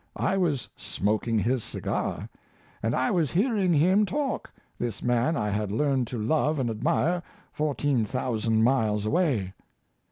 I was smoking his cigar, and I was hearing him talk this man I had learned to love and admire fourteen thousand miles away.